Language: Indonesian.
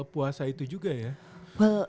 puasa itu juga ya